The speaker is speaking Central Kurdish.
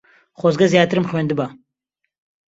خۆزگە زیاترم خوێندبا.